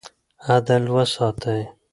عدل وساتئ.